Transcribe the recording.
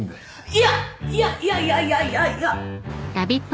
いやいやいやいやいやいや。